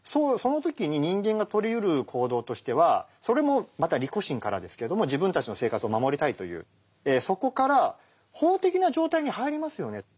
その時に人間がとりうる行動としてはそれもまた利己心からですけれども自分たちの生活を守りたいというそこから法的な状態に入りますよね。